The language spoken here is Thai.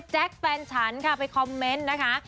แฟนฉันค่ะไปคอมเมนต์นะคะ